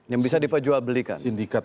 yang bisa diperjual belikan